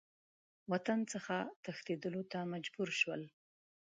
وطن څخه تښتېدلو ته مجبور شول.